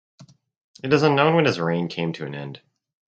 It is unknown when his reign came to an end.